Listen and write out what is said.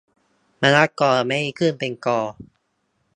มะละกอ ไม่ได้ขึ้นเป็นกอ